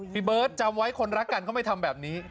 พี่เบิร์ตจำไว้คนรักกันเขาไม่ทำแบบนี้